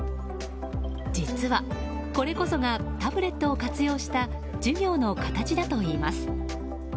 実は、これこそがタブレットを活用した授業の形だといいます。